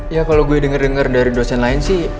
ya kalau gue denger denger dari dosen lain sih